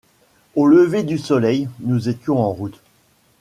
Au lever du soleil, nous étions en route.